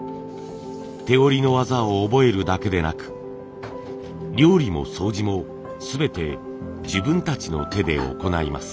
手織りの技を覚えるだけでなく料理も掃除も全て自分たちの手で行います。